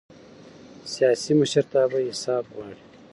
سیاسي مشرتابه حساب غواړي